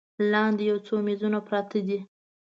لاندې یو څو میزونه پراته دي.